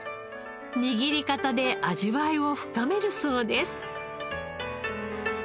握り方で味わいを深めるそうです。